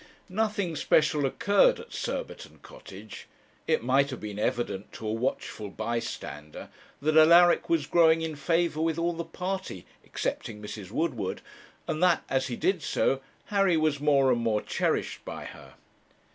Nothing special occurred at Surbiton Cottage. It might have been evident to a watchful bystander that Alaric was growing in favour with all the party, excepting Mrs. Woodward, and that, as he did so, Harry was more and more cherished by her.